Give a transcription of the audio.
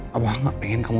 papa gak pengen kamu